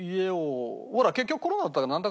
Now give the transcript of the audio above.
ほら結局コロナだったりなんだ